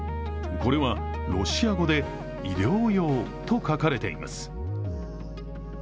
これはロシア語で「医療用」と書かれています。